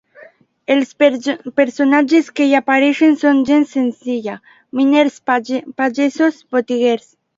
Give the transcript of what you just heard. Els personatges que hi apareixen són gent senzilla: miners, pagesos, botiguers.